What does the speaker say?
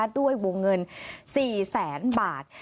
ด้วยวงเงิน๔๐๐๐๐๐บาท